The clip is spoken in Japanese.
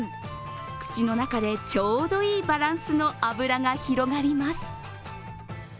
口の中でちょうどいいバランスの脂が広がります。